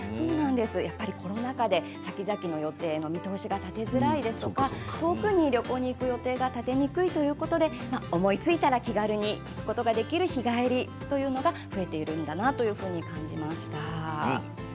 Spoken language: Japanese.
やっぱりコロナ禍でさきざきの予定の見通しが立てづらいですとか遠くに旅行に行く予定が立てにくいということで思いついたら気軽に行くことができる日帰りというのが増えているんだなというふうに感じました。